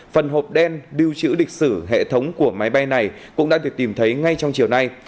phần hộp đen lưu trữ lịch sử hệ thống của máy bay này cũng đã được tìm thấy ngay trong chiều nay